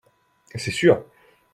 C’est sûr !